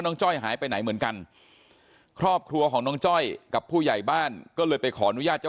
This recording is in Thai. น้องจ้อยนั่งก้มหน้าไม่มีใครรู้ข่าวว่าน้องจ้อยเสียชีวิตไปแล้ว